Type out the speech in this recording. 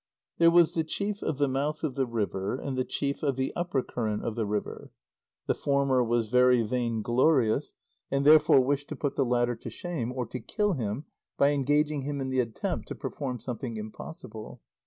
_ There was the Chief of the Mouth of the River and the Chief of the Upper Current of the River. The former was very vainglorious, and therefore wished to put the latter to shame, or to kill him by engaging him in the attempt to perform something impossible.